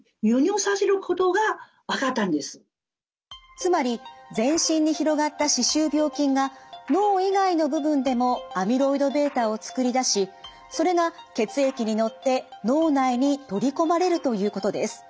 つまり全身に広がった歯周病菌が脳以外の部分でもアミロイドβを作り出しそれが血液に乗って脳内に取り込まれるということです。